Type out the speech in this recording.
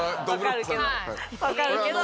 わかるけど。